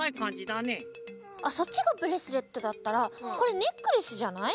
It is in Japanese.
あっそっちがブレスレットだったらこれネックレスじゃない？